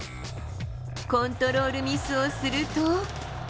コントロールミスをすると。